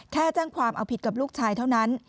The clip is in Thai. แจ้งความเอาผิดกับลูกชายเท่านั้น